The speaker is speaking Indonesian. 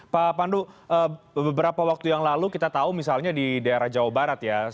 pak pandu beberapa waktu yang lalu kita tahu misalnya di daerah jawa barat ya